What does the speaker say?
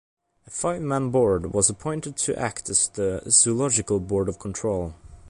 A five-man board was appointed to act as the Zoological Board of Control.